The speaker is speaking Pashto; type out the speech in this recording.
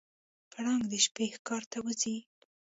پړانګ د شپې ښکار ته وځي.